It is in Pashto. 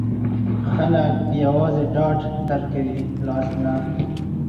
خلګ یوازې ډاډ درکوي، لاس نه.